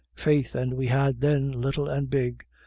" Faith and we had then, little and big.